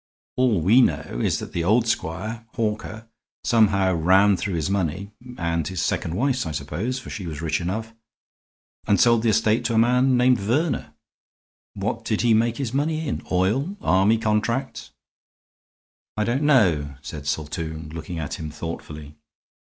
All we know is that the old squire, Hawker, somehow ran through his money (and his second wife's, I suppose, for she was rich enough), and sold the estate to a man named Verner. What did he make his money in? Oil? Army contracts?" "I don't know," said Saltoun, looking at him thoughtfully.